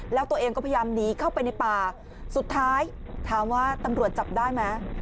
แล้วตัวเองก็พยายามหนีเข้าไปในป่าสุดท้ายถามว่าตำรวจจับได้ไหม